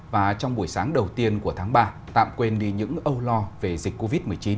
và trong buổi sáng đầu tiên của tháng ba tạm quên đi những âu lo về dịch covid một mươi chín